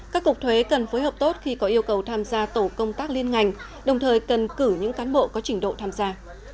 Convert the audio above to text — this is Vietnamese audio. các cục thuế cần phối hợp tốt khi có yêu cầu tham gia tổ công tác liên ngành đồng thời cần cử những cán bộ có trình độ tham gia